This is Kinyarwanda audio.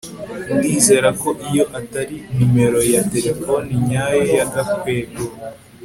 ndizera ko iyo atari numero ya terefone nyayo ya gakwego